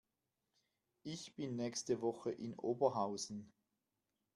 Ich bin nächste Woche in Oberhausen